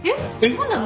そうなの？